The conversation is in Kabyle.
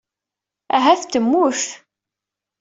Ahat temmut.